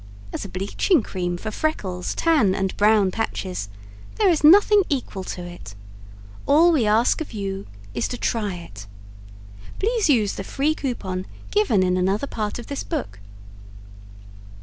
As a bleaching cream for freckles, tan and brown patches there is nothing equal to it. All we ask of you is to try it. Please use the FREE COUPON given in another part of this book.